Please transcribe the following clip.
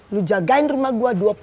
lu jagain rumah gua dua puluh jam sehari